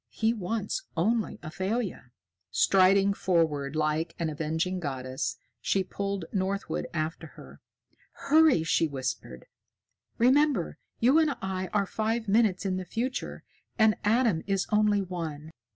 He wants only Athalia." Striding forward like an avenging goddess, she pulled Northwood after her. "Hurry!" she whispered. "Remember, you and I are five minutes in the future, and Adam is only one.